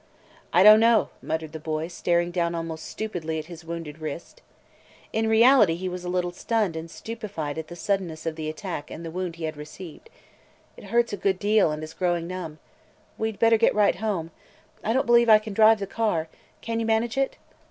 "I don't know," muttered the boy, staring down almost stupidly at his wounded wrist. In reality he was a little stunned and stupefied the suddenness of the attack and the wound he had received. "It hurts a good deal and is growing numb. We 'd better get right home. I don't believe I can drive the car. Can you manage it?"